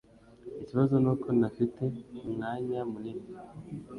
Ikibazo nuko ntafite umwanya munini.